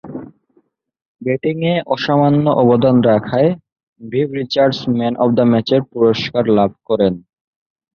ব্যাটিংয়ে অসামান্য অবদান রাখায় Viv Richards man of the ম্যাচের পুরস্কার লাভ করেন।